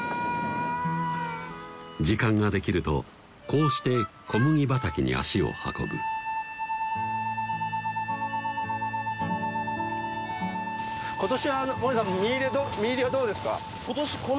時間が出来るとこうして小麦畑に足を運ぶ今年は森田さん実入りはどうですか？